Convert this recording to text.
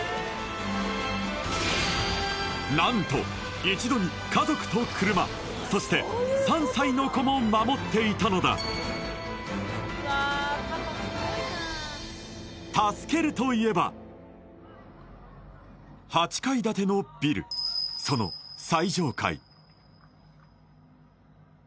何と一度に家族と車そして３歳の子も守っていたのだ助けるといえば８階建てのビルその最上階